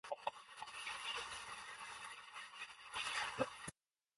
Same measures and concepts as in classical economy can be applied for attention economy.